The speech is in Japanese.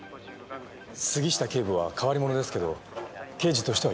杉下警部は変わり者ですけど刑事としては優秀です。